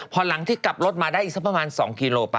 พอหลังที่กลับรถมาได้อีกสักประมาณ๒กิโลปั